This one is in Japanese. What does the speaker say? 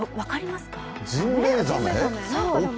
ジンベエザメ？